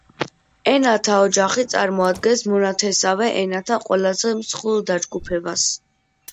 ენათა ოჯახი წარმოადგენს მონათესავე ენათა ყველაზე მსხვილ დაჯგუფებას.